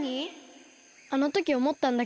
あのときおもったんだけどさ